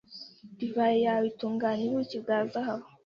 Divayi yawe itunganya ubuki bwa zahabu